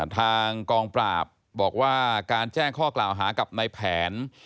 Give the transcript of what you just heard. ทางกองปราบบอกว่าการแจ้งข้อกล่าวหากับในแผน